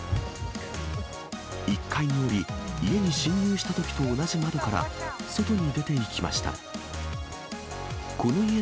１階に下り、家に侵入したときと同じ窓から、外に出ていきました。